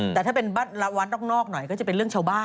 แต่ถ้าเป็นวัดนอกหน่อยก็จะเป็นเรื่องชาวบ้าน